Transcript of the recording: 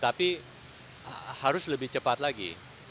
tapi harus lebih cepat lagi